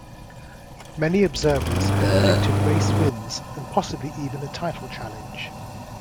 Many observers had predicted race wins and possibly even a title challenge.